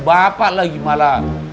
bapak lagi malah